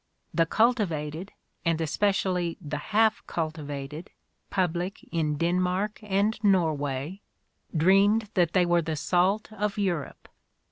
The cultivated, and especially the half cultivated, public in Denmark and Norway dreamed that they were the salt of Europe.